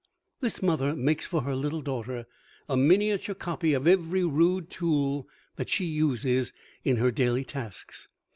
This mother makes for her little daughter a miniature copy of every rude tool that she uses in her daily tasks.